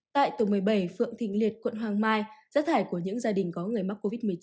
tại tổng một mươi bảy phượng thịnh liệt quận hoàng mai rác thải của những gia đình có người mắc covid một mươi chín